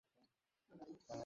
ঘটনাস্থলে জি ঘটনাস্থলে।